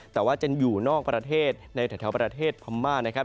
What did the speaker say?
แต่ว่าจะอยู่นอกประเทศในแถวประเทศพม่านะครับ